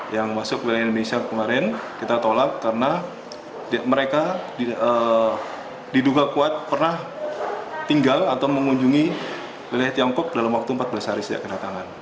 yang masuk ke wilayah indonesia kemarin kita tolak karena mereka diduga kuat pernah tinggal atau mengunjungi wilayah tiongkok dalam waktu empat belas hari sejak kedatangan